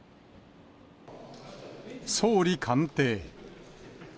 総理官邸。